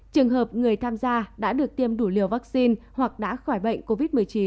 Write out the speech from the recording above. trường hợp người tham gia đã được tiêm đủ liều vaccine hoặc đã khỏi bệnh covid một mươi chín